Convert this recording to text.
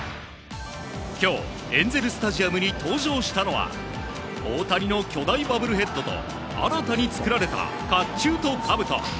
今日、エンゼル・スタジアムに登場したのは大谷の巨大ボブルヘッドと新たに作られた甲冑と、かぶと。